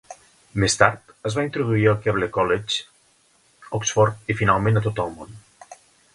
Més tard es va introduir al Keble College, Oxford i finalment a tot el món.